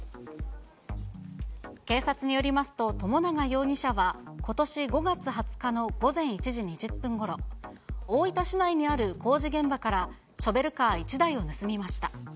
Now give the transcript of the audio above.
警察によりますと、友永容疑者はことし５月２０日の午前１時２０分ごろ、大分市内にある工事現場から、ショベルカー１台を盗みました。